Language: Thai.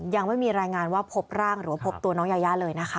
ยังไม่มีรายงานว่าพบร่างหรือว่าพบตัวน้องยายาเลยนะคะ